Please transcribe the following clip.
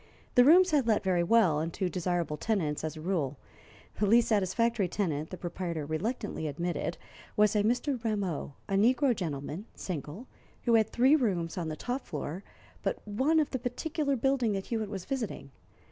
The rooms had let very well, and to desirable tenants, as a rule. The least satisfactory tenant, the proprietor reluctantly admitted, was a Mr. Rameau, a negro gentleman, single, who had three rooms on the top floor but one of the particular building that Hewitt was visiting.